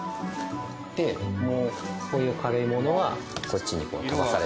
でもうこういう軽いものはこっちに飛ばされていきます。